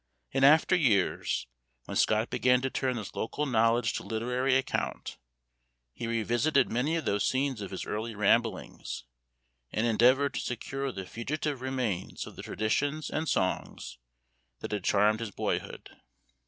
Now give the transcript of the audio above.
In after years, when Scott began to turn this local knowledge to literary account, he revisited many of those scenes of his early ramblings, and endeavored to secure the fugitive remains of the traditions and songs that had charmed his boyhood.